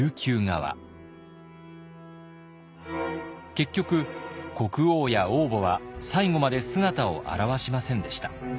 結局国王や王母は最後まで姿を現しませんでした。